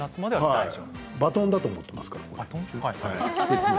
バトンだと思っていますから。